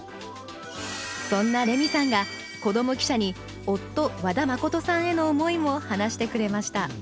そんなレミさんが子ども記者に夫和田誠さんへの思いも話してくれました